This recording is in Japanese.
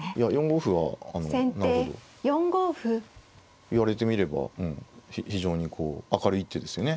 ４五歩はなるほど言われてみればうん非常にこう明るい一手ですよね。